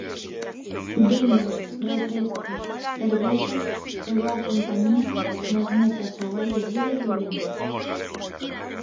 Viños, refrescos, cervexa e boa compañía nas mesas ao aire libre de Ourense.